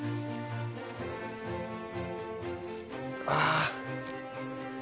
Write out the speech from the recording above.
ああ。